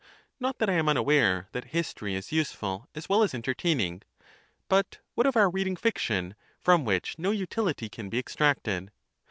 Not that I am unaware that history is useful as well as entertaining. But what of our reading 2 fiction, from which no utilitycan be extracted?